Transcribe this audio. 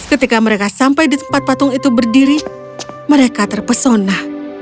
ketika mereka sampai di tempat patung itu berdiri mereka terpesona